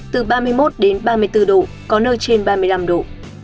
từ ba mươi một đến ba mươi bốn độ có nơi trên ba mươi năm độ